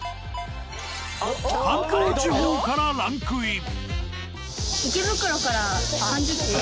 関東地方からランクイン。